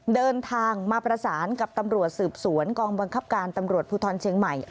เดินทางมาประสานกับตำรวจสืบสวนกองบังคับการตำรวจภูทรเชียงใหม่